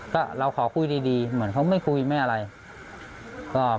ก็เราขอคุยดีออกไปเหมือนเขาไม่คุยออกมาอีกแบบไม่อะไร